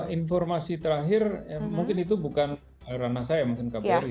informasi terakhir mungkin itu bukan heran saya mungkin kbri